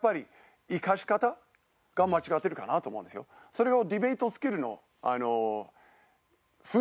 それを。